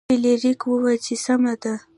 فلیریک وویل چې سمه ده.